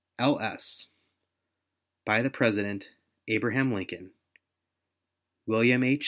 [L. S.] By the President: ABRAHAM LINCOLN. WILLIAM H.